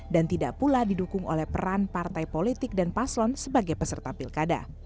dan tidak pula didukung oleh peran partai politik dan paslon sebagai peserta pilkada